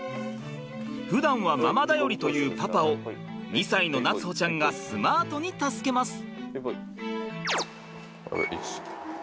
ふだんはママ頼りというパパを２歳の夏歩ちゃんがスマートに助けます！